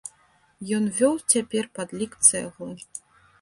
Ён вёў цяпер падлік цэглы.